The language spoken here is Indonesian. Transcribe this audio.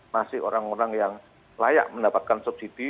masih orang orang yang layak mendapatkan subsidi